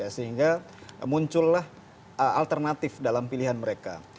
sehingga muncullah alternatif dalam pilihan mereka